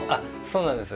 そうなんです。